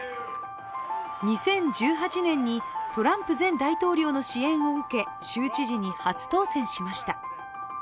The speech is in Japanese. ２０１８年にトランプ前大統領の支援を受け州知事に初当選しました。